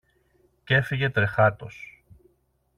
Κι έφυγε τρεχάτος.